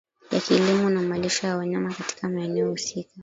ya kilimo na malisho ya wanyama Katika maeneo husika